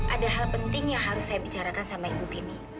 ada hal penting yang harus saya bicarakan sama ibu tini